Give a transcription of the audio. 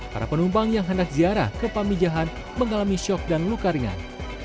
para penumpang yang hendak ziarah ke pamijahan mengalami syok dan luka ringan